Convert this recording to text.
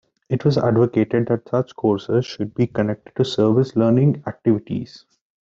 It was advocated that such courses should be connected to service-learning activities.